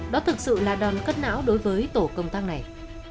đó thực sự là đòn cất não đối với tổ công tác này